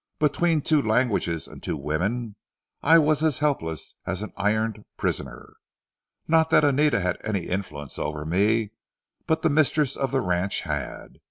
Between two languages and two women, I was as helpless as an ironed prisoner. Not that Anita had any influence over me, but the mistress of the ranch had.